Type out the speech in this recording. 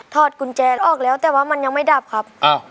อดกุญแจออกแล้วแต่ว่ามันยังไม่ดับครับ